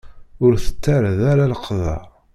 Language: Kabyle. Ur tettaraḍ ara leqḍa.